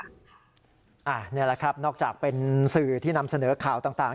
นี่แหละครับนอกจากเป็นสื่อที่นำเสนอข่าวต่าง